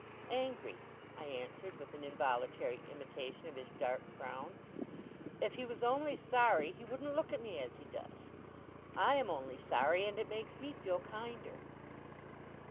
'Angry,' I answered, with an involuntary imitation of his dark frown. 'If he was only sorry, he wouldn't look at me as he does. I am only sorry, and it makes me feel kinder.